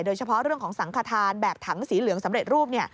โดยเฉพาะเรื่องของสังขทานแบบถังสีเหลืองสำเร็จรูป